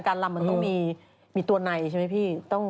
การลำมันต้องมีตัวในสิมั้ยพี่